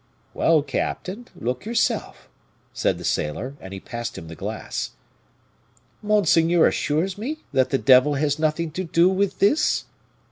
"Well, captain, look yourself," said the sailor. And he passed him the glass. "Monseigneur assures me that the devil has nothing to do with this?"